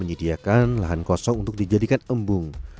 menyediakan lahan kosong untuk dijadikan embung